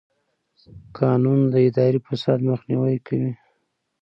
قانون د اداري فساد مخنیوی کوي.